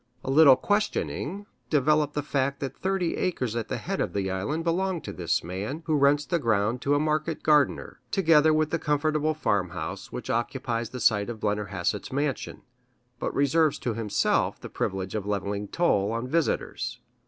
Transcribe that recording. A little questioning developed the fact that thirty acres at the head of the island belong to this man, who rents the ground to a market gardener, together with the comfortable farmhouse which occupies the site of Blennerhassett's mansion, but reserves to himself the privilege of levying toll on visitors.